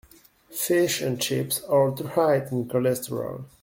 Fish and chips are too high in cholesterol.